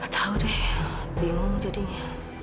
jadi ini pasang afrika